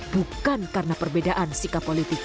bukan karena perbedaan sikap politik